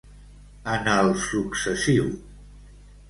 En el successiu.